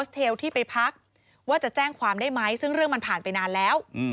เทลที่ไปพักว่าจะแจ้งความได้ไหมซึ่งเรื่องมันผ่านไปนานแล้ว